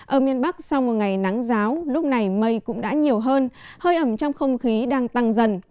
ở miền bắc sau một ngày nắng giáo lúc này mây cũng đã nhiều hơn hơi ẩm trong không khí đang tăng dần